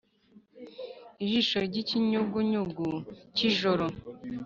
Ijisho ry ikinyugunyugu cy ijoro